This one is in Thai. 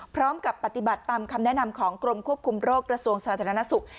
พร้อมกับปฏิบัติตามคำแนะนำของกรมควบคุมโรคกระทรวงสาธารณสุข